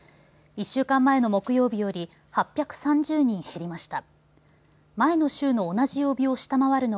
１週間前の木曜日より８３０人減りました。